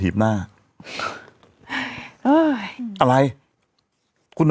เมื่อ